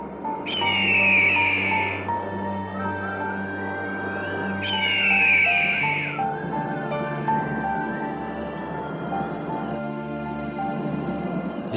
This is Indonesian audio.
lili kamu harus menerima perhatian